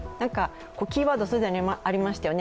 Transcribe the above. キーワード、既にありましたよね